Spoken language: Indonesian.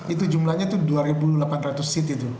itu jumlahnya dua delapan ratus sit itu